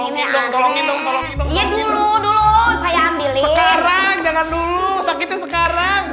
ini aneh tolongin dong tolongin dong iya dulu dulu saya ambilin sekarang jangan dulu sakitnya sekarang